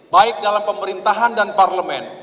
baik dalam pemerintahan dan parlemen